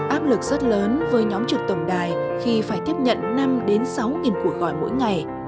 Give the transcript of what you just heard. áp lực rất lớn với nhóm trực tổng đài khi phải tiếp nhận năm sáu củi gọi mỗi ngày